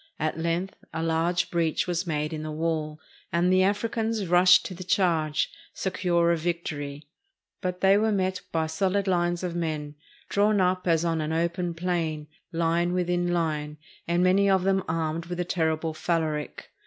At length a large breach was made in the wall, and the Africans rushed to the charge, se cure of victory. But they were met by solid lines of men drawn up as on an open plain, line within line, and many of them armed with the terrible /a/anc.